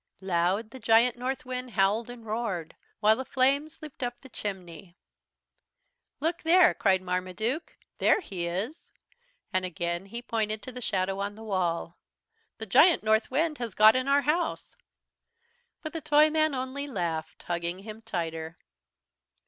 Loud the Giant Northwind howled and roared, while the flames leaped up the chimney. "Look there!" cried Marmaduke. "There he is!!" And again he pointed to the shadow on the wall. "The Giant Northwind has got in our house!" But the Toyman only laughed, hugging him tighter.